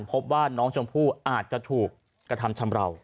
พบว่าน้องชมพู่อาจจะถูกกระทำชำราว